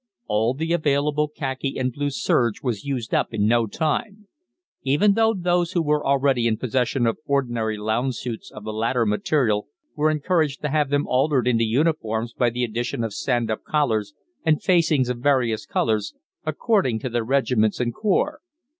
All the available khaki and blue serge was used up in no time; even though those who were already in possession of ordinary lounge suits of the latter material were encouraged to have them altered into uniforms by the addition of stand up collars and facings of various colours, according to their regiments and corps.